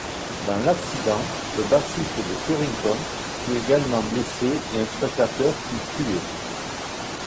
Dans l'accident, le bassiste de Currington fut également blessé et un spectateur fut tué.